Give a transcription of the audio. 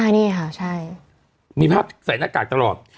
นี่ค่ะใช่มีภาพใส่หน้ากากตลอด